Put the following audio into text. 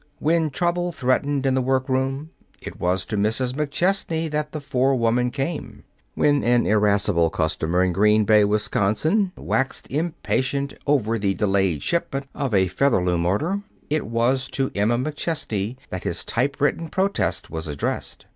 When trouble threatened in the workroom, it was to Mrs. McChesney that the forewoman came. When an irascible customer in Green Bay, Wisconsin, waxed impatient over the delayed shipment of a Featherloom order, it was to Emma McChesney that his typewritten protest was addressed.